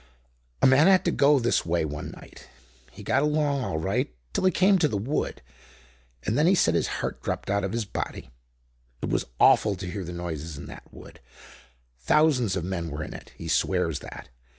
"A man had to go this way one night. He got along all right till he came to the wood. And then he said his heart dropped out of his body. It was awful to hear the noises in that wood. Thousands of men were in it, he swears that.